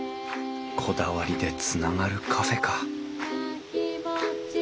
こだわりでつながるカフェか。